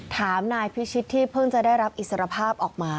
ถามนายพิชิตที่เพิ่งจะได้รับอิสรภาพออกมา